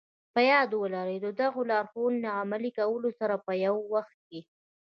په ياد ولرئ د دغو لارښوونو له عملي کولو سره په يوه وخت کې.